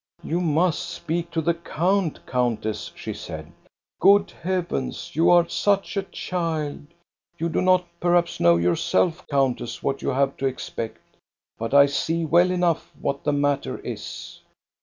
"You must speak to the count, countess," she said. Good heavens, you are such a child ! You do not perhaps know yourself, countess, what you have to expect; but I see well enough what the matter is."